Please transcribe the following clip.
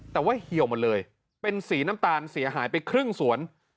แต่ว่าเหี่ยวหมดเลยเป็นสีน้ำตาลเสียหายไปครึ่งสวน